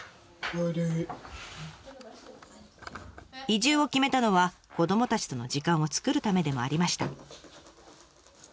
移住を決めたのは子どもたちとの時間を作るためでもありました。